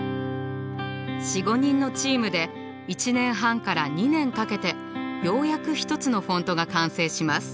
４５人のチームで１年半から２年かけてようやく１つのフォントが完成します。